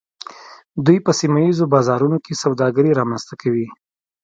دوی په سیمه ایزو بازارونو کې سوداګري رامنځته کوي